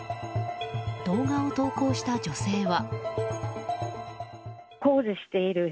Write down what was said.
動画を投稿した女性は。